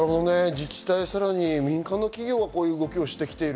自治体、さらに民間の企業がこういう動きをしてきている。